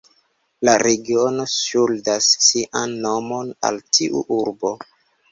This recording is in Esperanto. La regiono ŝuldas sian nomon al tiu urbo.